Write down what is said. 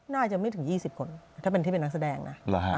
น่าจะไม่ถึง๒๐คนถ้าเป็นที่เป็นนักแสดงนะ